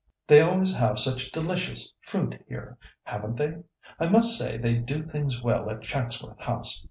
"They always have such delicious fruit here, haven't they? I must say they do things well at Chatsworth House.